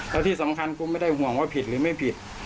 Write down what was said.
แล้วที่สำคัญกูไม่ได้ห่วงว่าผิดหรือไม่ผิด